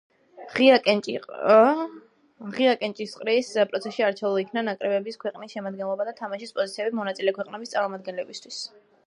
ღია კენჭისყრის პროცესში არჩეულ იქნა ნაკრებების ქვეყნების შემადგენლობა და თამაშის პოზიციები მონაწილე ქვეყნების წარმომადგენლებისთვის.